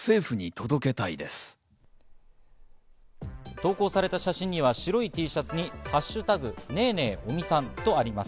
投稿された写真には白いＴシャツに「＃ねえねえ尾身さん」とあります。